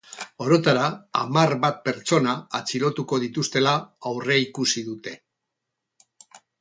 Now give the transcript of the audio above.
Orotara, hamar bat pertsona atxilotuko dituztela aurreikusi dute.